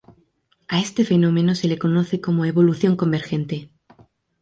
A este fenómeno se le conoce como evolución convergente.